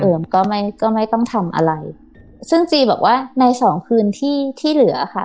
ก็ไม่ก็ไม่ต้องทำอะไรซึ่งจีบอกว่าในสองคืนที่ที่เหลือค่ะ